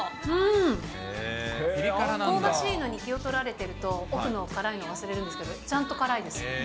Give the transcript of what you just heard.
香ばしいのに気を取られてると奥の辛いの忘れるんですけど、ちゃんと辛いです。